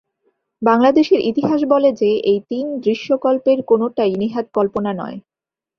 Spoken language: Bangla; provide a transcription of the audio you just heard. বাংলাদেশের ইতিহাস বলে যে এই তিন দৃশ্যকল্পের কোনোটাই নেহাত কল্পনা নয়।